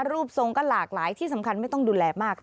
รูปทรงก็หลากหลายที่สำคัญไม่ต้องดูแลมาก